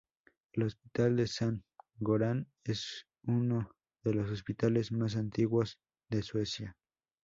El Hospital de San Göran es uno de los hospitales más antiguos de Suecia.